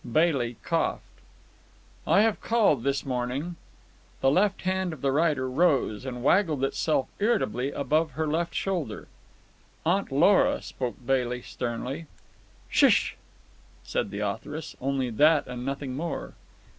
Bailey coughed. "I have called this morning——" The left hand of the writer rose and waggled itself irritably above her left shoulder. "Aunt Lora," spoke Bailey sternly. "Shish!" said the authoress. Only that and nothing more.